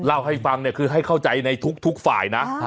เล่าให้ฟังเนี่ยคือให้เข้าใจในทุกฝ่ายนะ